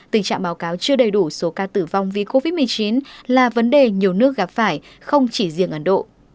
tình trạng báo cáo chưa đầy đủ số ca tử vong vì covid một mươi chín là vấn đề nhiều nước gặp phải không chỉ riêng ấn độ